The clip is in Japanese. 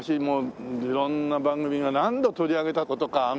もう色んな番組が何度取り上げた事か。